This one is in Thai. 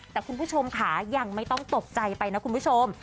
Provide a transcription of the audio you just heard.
แต่คุณผู้ชมค่ะยังไม่ต้องตกใจไปนะคุณผู้ชม